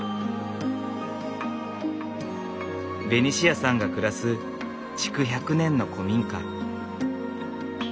ベニシアさんが暮らす築１００年の古民家。